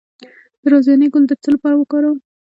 د رازیانې ګل د څه لپاره وکاروم؟